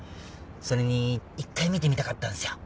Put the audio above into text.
それに１回見てみたかったんすよ。